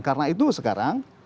karena itu sekarang